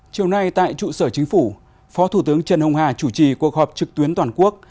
chiều nay tại trụ sở chính phủ phó thủ tướng trần hùng hà chủ trì cuộc họp trực tuyến toàn quốc